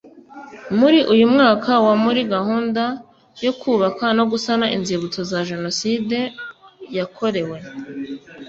Muri uyu mwaka wa muri gahunda yo kubaka no gusana Inzibutso za Jenoside yakorewe